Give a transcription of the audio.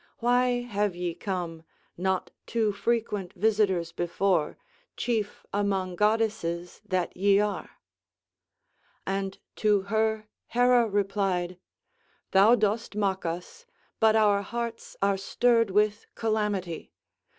Why have ye come, not too frequent visitors before, chief among goddesses that ye are?" And to her Hera replied: "Thou dost mock us, but our hearts are stirred with calamity.